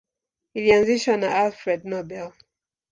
Ilianzishwa na Alfred Nobel.